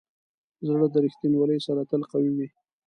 زړه د ریښتینولي سره تل قوي وي.